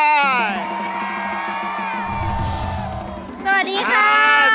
สวัสดีครับ